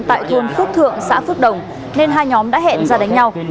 tại thôn phước thượng xã phước đồng nên hai nhóm đã hẹn ra đánh nhau